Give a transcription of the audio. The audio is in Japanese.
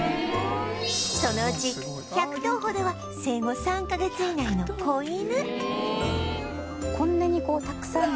そのうち１００頭ほどは生後３カ月以内の子犬